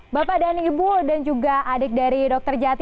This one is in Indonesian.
bapak dan ibu dan juga adik dari dokter jati